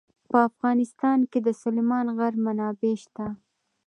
په افغانستان کې د سلیمان غر منابع شته.